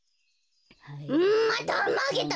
んまあたまげた！